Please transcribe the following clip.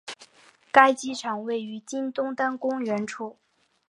该机场位于今东单公园处。